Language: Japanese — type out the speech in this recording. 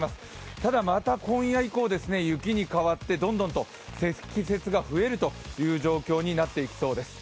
ただまた今夜以降、雪に変わってどんどんと積雪が増える状況になっていきそうです。